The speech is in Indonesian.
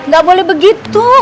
ga boleh begitu